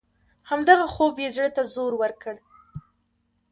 همدغه خوب یې زړه ته زور ورکړ.